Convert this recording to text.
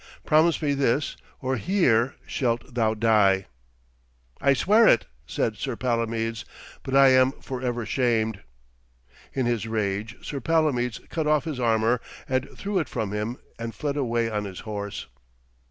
Promise me this, or here shalt thou die!' 'I swear it,' said Sir Palomides, 'but I am for ever shamed.' In his rage Sir Palomides cut off his armour and threw it from him and fled away on his horse.